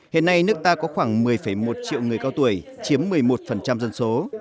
hiện nay nước ta có khoảng một mươi một triệu người cao tuổi chiếm một mươi một dân số